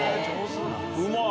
うまい。